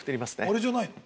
あれじゃないの？